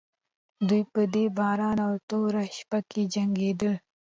دوی په دې باران او توره شپه کې جنګېدل.